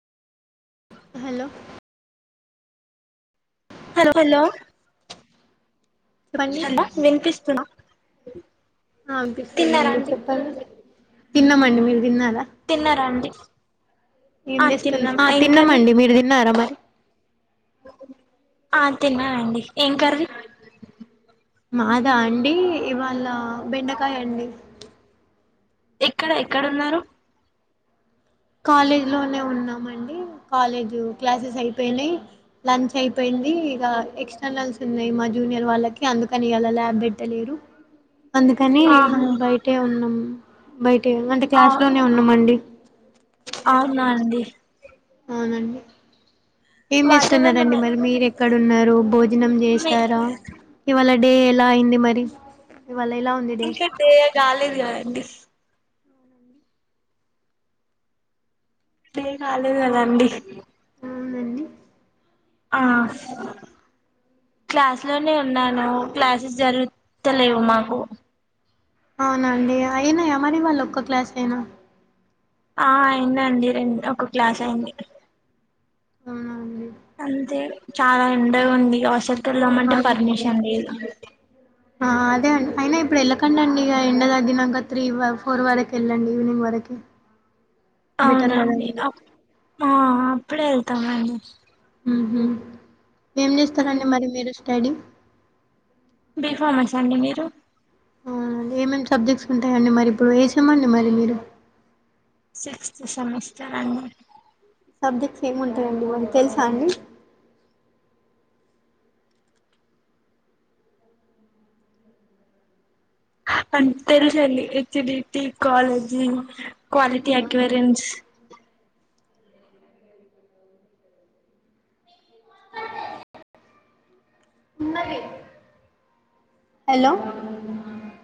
Hello hello hello చెప్పండి hello వినిపిస్తున్నా ఆ తిన్నారా వినిపిస్తుందండి అండి చెప్పండి. తిన్న మండి మీరు తిన్నారా. తిన్నారండి. ఏం చేస్తుంది ఆ తిన్నామండి మీరు తిన్నారా మరి ఆ తిన్నానండి ఏం కర్రీ మాదా అండి ఇవాళ బెండకాయ అండి. ఎక్కడ ఎక్కడ ఉన్నారు. కాలేజ్ లోనే ఉన్నామండి. కాలేజ్ క్లాసెస్ అయిపోయినాయి లంచ్ అయిపోయింది. ఇక ఎక్స్టర్నల్స్ ఉన్నాయి. మా జూనియర్ వాళ్ళకి అందుకని ఇలా ల్యాబ్ పెట్టలేరు. అందుకని ఆహా బయటే ఉన్నాం. బై అంటే ఆ క్లాస్ లోనే ఉన్నామండి. అవునా అండి. అవునండి ఏం వాతావరణం చేస్తున్నారండి. మరి మీరు ఎక్కడన్నారు భోజనం మీ చేసారా ఇవాళ. డే ఎలా అయింది మరి ఇవాళ ఎలా ఉంది ఇంకా డే కాలేదు కదండి. డే కాలేదు కదాండి. అవునండి. ఆ క్లాస్లోనే ఉన్నాను క్లాసెస్ జరుగుతలేవు మాకు. అవునండి అయినా ఆ మరి వాళ్ళు ఒక్క క్లాస్ అయినా ఆ అయిందండి రెండ్ ఒక క్లాస్ అయింది. అవునా అండి. అంతే చాలా ఎండగా ఉంది అసలు ఎల్దామంటే అవునండి పర్మిషన్ లేదు. ఎంతైనా ఇప్పుడు వెళ్ళకండండి. ఆ ఎండ తగ్గినాక త్రీ ఫోర్ వరకు వెళ్ళండి ఈవినింగ్ వరకి. బెటర్ అవునండి కదండి ఆ ప్ ప్పుడే వెళ్తమండి మ్ హు ఏం చేస్తారండి మరి మీరు స్టడి బి ఫమస్ అండి మీరు అవునా అండి ఏమేం సబ్జెక్ట్స్ ఉంటాయండి మరి ఇప్పుడు ఏ సేమ్ అండి మరి మీరు సిక్స్త్ సెమిస్టర్ అండి సబ్జెక్ట్స్ ఎం ఉంటాయండి మరి తెలుసా అండి అం తెలుసండి ఎచ్డిడిటి కాలేజి క్వాలిటీ ఆహా అక్వెరేన్స్ హలో